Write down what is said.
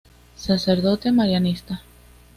Sacerdote marianista.